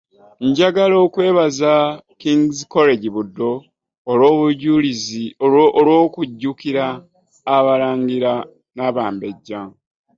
Njagala okwebaza Kings College Buddo olw'okujjukira abalangira n'abambejja